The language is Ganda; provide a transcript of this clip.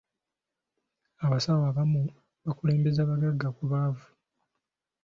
Abasawo abamu bakulembeza bagagga ku baavu.